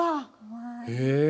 へえ。